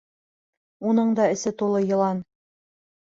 Уның да эсе тулы йылан!